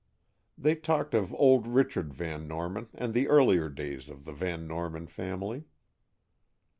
They talked of old Richard Van Norman and the earlier days of the Van Norman family.